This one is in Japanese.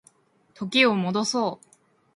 時を戻そう